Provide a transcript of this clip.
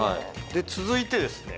で続いてですね